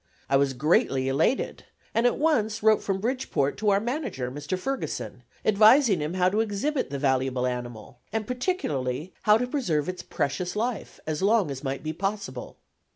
I was greatly elated, and at once wrote from Bridgeport to our manager, Mr. Ferguson, advising him how to exhibit the valuable animal, and particularly how to preserve its precious life as long as might be possible.